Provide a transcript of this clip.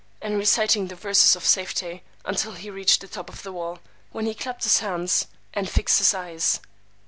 and reciting the Verses of Safety, until he reached the top of the wall; when he clapped his hands, and fixed his eyes.